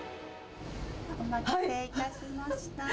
お待たせいたしました。